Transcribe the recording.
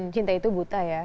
cinta itu buta ya